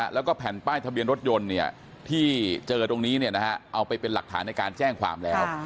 แล้วก็แผ่นป้ายทะเบียนรถยนต์ที่เจอตรงนี้เอาไปเป็นหลักฐานในการแจ้งความแล้ว